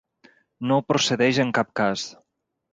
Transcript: No procedeix en cap cas.